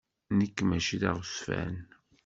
Nekk mačči d aɣezzfan.